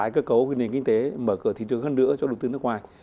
cơ cấu nền kinh tế mở cửa thị trường hơn nữa cho đầu tư nước ngoài